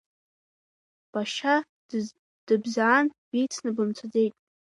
Башьа дыбзаан, бицны бымцаӡеит.